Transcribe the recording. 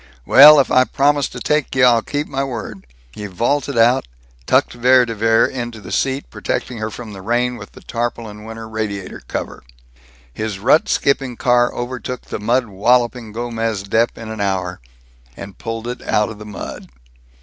"Well, if I promised to take you, I'll keep my word." He vaulted out, tucked Vere de Vere into the seat, protecting her from the rain with the tarpaulin winter radiator cover. His rut skipping car overtook the mud walloping Gomez Dep in an hour, and pulled it out of the mud.